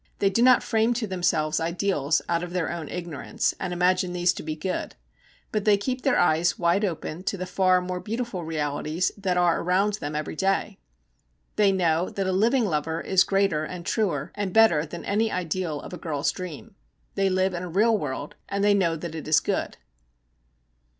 They do not frame to themselves ideals out of their own ignorance and imagine these to be good, but they keep their eyes wide open to the far more beautiful realities that are around them every day. They know that a living lover is greater, and truer, and better than any ideal of a girl's dream. They live in a real world, and they know that it is good.